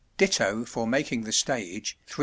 ditto for making the stage, 3s.